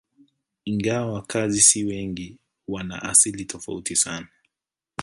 Ingawa wakazi si wengi, wana asili tofauti sana.